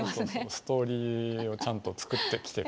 ストーリーをちゃんと作ってきてる。